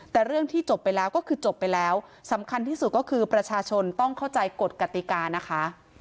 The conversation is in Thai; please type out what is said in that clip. แต่เรื่องที่จบไปแล้วก็คือจบไปแล้วสำคัญที่สุดก็คือประชาชนต้องเข้าใจกฎกติกานะคะ